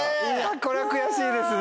これは悔しいですね。